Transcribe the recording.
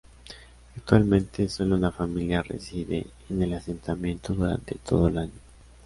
Actualmente solo una familia reside en el asentamiento durante todo el año.